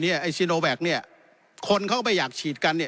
ไอซีโนแบ็กคนเขาไม่อยากฉีดกัน